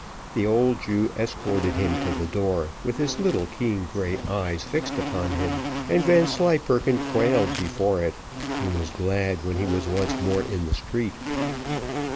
The old Jew escorted him to the door, with his little keen gray eyes fixed upon him, and Vanslyperken quailed before it, and was glad when he was once more in the street.